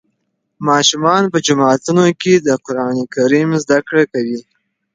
ماشومان په جوماتونو کې د قرآن کریم زده کړه کوي.